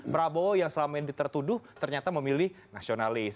prabowo yang selama ini tertuduh ternyata memilih nasionalis